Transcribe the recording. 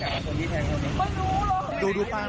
เฮ้ย